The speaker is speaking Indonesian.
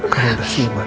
kau sudah senyuman